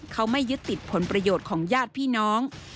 เขาไม่ยึดติดผลประโยชน์ของญาติพี่น้อง